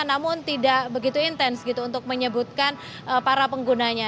namun tidak begitu intens gitu untuk menyebutkan para penggunanya